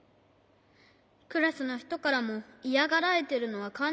クラスのひとからもイヤがられてるのはかんじてるんだ。